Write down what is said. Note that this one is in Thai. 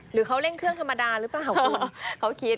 หรือเขาเล่นเครื่องธรรมดาหรือเปล่าครับคุณ